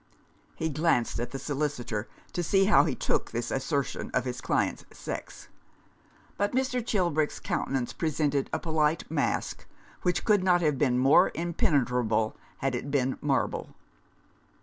" He glanced at the solicitor to see how he took this assertion of his client's sex ; but Mr. Chilbrick's countenance presented a polite mask, which could not have been more impenetrable had it been marble.